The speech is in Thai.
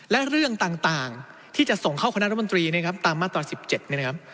และเรื่องต่างที่จะส่งเข้าคณะรัฐมนตรีนะครับตามมาตรา๑๗เนี่ยนะครับ